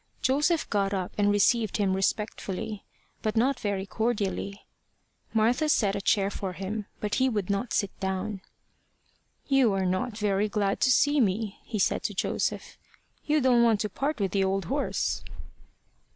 Joseph got up and received him respectfully, but not very cordially. Martha set a chair for him, but he would not sit down. "You are not very glad to see me," he said to Joseph. "You don't want to part with the old horse."